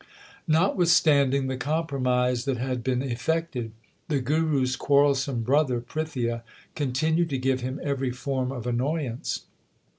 Notwithstanding the compromise that had been effected, the Guru s quarrelsome brother Prithia continued to give him every form of annoyance.